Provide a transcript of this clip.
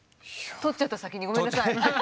取っちゃった先にごめんなさい。